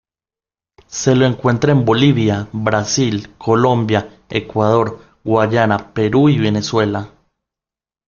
Se lo encuentra en Bolivia, Brasil, Colombia, Ecuador, Guyana, Perú, y Venezuela.